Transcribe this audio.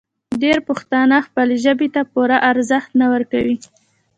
ډېری پښتانه خپلې ژبې ته پوره ارزښت نه ورکوي.